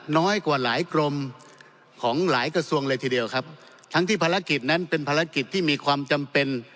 น้อยกว่าหลายกรมของหลายกระทรวงเลยทีเดียวครับทั้งที่ภารกิจนั้นเป็นภารกิจที่มีความจำเป็น